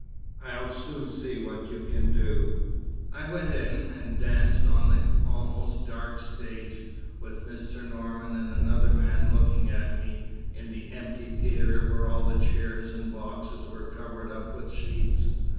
I'll soon see what you can do." I went in, and danced on an almost dark stage, with Mr. Norman and another man looking at me, in the empty theatre where all the chairs and boxes were covered up with sheets.